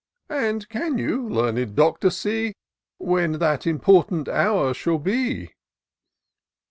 " And can you, learned Doctor, see When that important hour shall be